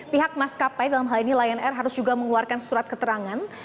pihak maskapai dalam hal ini lion air harus juga mengeluarkan surat keterangan